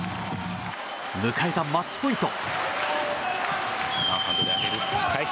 迎えたマッチポイント。